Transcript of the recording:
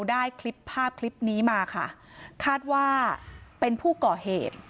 ได้คลิปภาพคลิปนี้มาค่ะคาดว่าเป็นผู้ก่อเหตุ